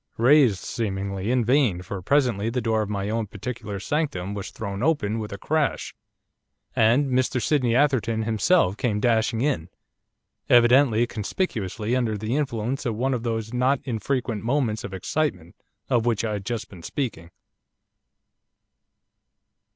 Raised, seemingly, in vain, for presently the door of my own particular sanctum was thrown open with a crash, and Mr Sydney Atherton himself came dashing in, evidently conspicuously under the influence of one of those not infrequent 'moments of excitement' of which I had just been speaking.